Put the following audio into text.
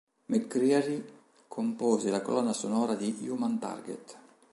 McCreary compose la colonna sonora di "Human Target".